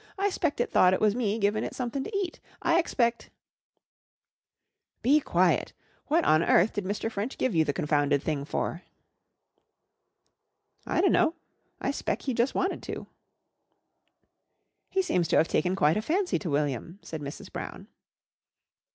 I 'spect it thought it was me givin' it sumthin' to eat. I expect " "Be quiet! What on earth did Mr. French give you the confounded thing for?" "I dunno. I s'pect he jus' wanted to." "He seems to have taken quite a fancy to William," said Mrs. Brown.